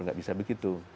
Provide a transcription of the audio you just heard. tidak bisa begitu